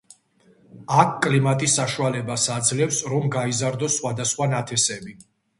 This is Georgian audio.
აქ კლიმატი საშუალებას აძლევს, რომ გაიზარდოს სხვადასხვა ნათესები.